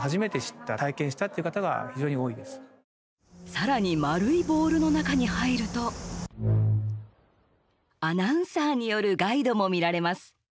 さらに丸いボールの中に入るとアナウンサーによるガイドも見られます。